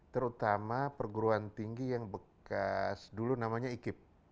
terutama perguruan tinggi yang bekas dulu namanya ikip